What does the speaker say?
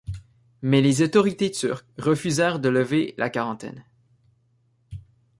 Mais les autorités turques refusèrent de lever la quarantaine.